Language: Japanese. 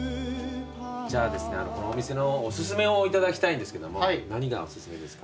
じゃあこのお店のお薦めをいただきたいんですけども何がお薦めですか？